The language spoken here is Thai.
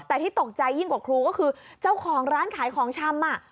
แต่ที่ตกใจยิ่งกว่าครูก็คือเจ้าของร้านขายของชำ